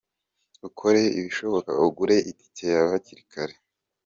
Ukore ibishoboka ugure itike yawe hakiri kare…”.